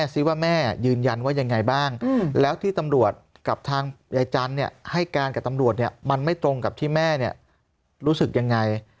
ซิว่าแม่ยืนยันว่ายังไงบ้างแล้วที่ตำรวจกับทางยายจันทร์ให้การกับตำรวจมันไม่ตรงกับที่แม่รู้สึกยังไง